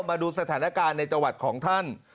มาดูสถานการณ์ในจังหวัดของท่าน